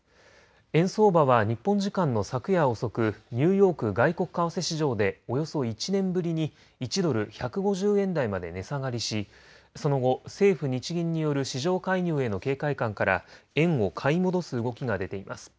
円相場は日本時間の昨夜遅くニューヨーク外国為替市場でおよそ１年ぶりに１ドル１５０円台まで値下がりしその後、政府・日銀による市場介入への警戒感から円を買い戻す動きが出ています。